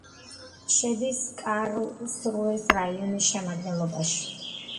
შედის კარლსრუეს რაიონის შემადგენლობაში.